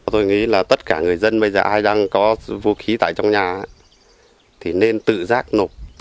tôi nghĩ là tất cả người dân bây giờ ai đang có vũ khí tại trong nhà thì nên tự giác nộp